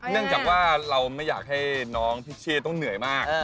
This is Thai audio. เนื่องจากว่าเราไม่อยากให้น้องพิชเช่ต้องเหนื่อยมาก